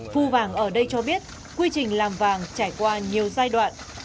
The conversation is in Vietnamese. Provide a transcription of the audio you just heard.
phu vàng ở đây cho biết quy trình làm vàng trải qua nhiều giai đoạn